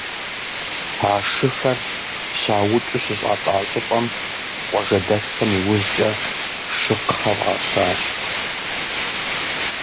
А шыхэр щаукӏыу щыщӏатӏа щӏыпӏэм къуажэдэсхэм иужькӏэ «Шыкхъэ» фӏащащ.